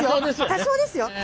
多少ですよね。